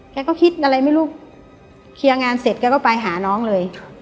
แกก็คิดอะไรไม่รู้เคลียร์งานเสร็จแกก็ไปหาน้องเลย